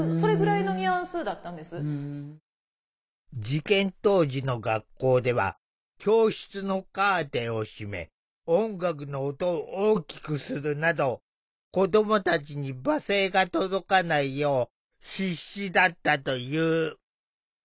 事件当時の学校では教室のカーテンを閉め音楽の音を大きくするなど子どもたちに罵声が届かないよう必死だったという。